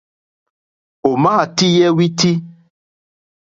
Ò màá tíyɛ́ wítí.